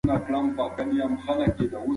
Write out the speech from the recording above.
خوښي ستاسو ده.